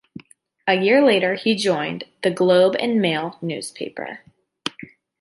A year later, he joined "The Globe and Mail" newspaper.